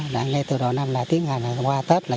đã nghe từ đầu năm là tiếng hà này qua tết là cho làn